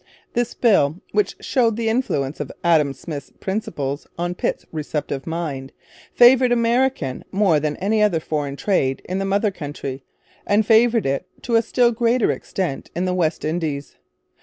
This bill, which showed the influence of Adam Smith's principles on Pitt's receptive mind, favoured American more than any other foreign trade in the mother country, and favoured it to a still greater extent in the West Indies.